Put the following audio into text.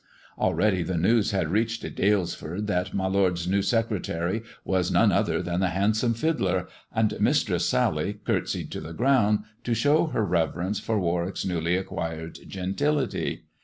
Already the news had reached Dalesford that my lord's new secretary was none other than the handsome fiddler, and Mistress Sally curtsied to the ground to show her reverence for Warwick's newly acquired gentility.